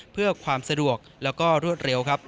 เพื่อความสะดวกและรวดเร็ว